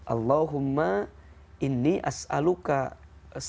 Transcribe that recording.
allahumma inni as'aluka salamat